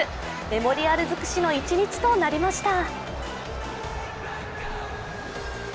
メモリアル尽くしの一日となりました。